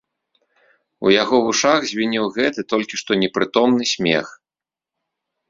У яго вушах звінеў гэты, толькі што непрытомны смех.